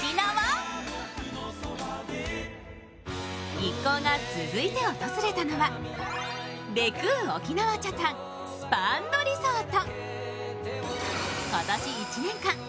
一行が続いて訪れたのはレクー沖縄北谷スパ＆リゾート。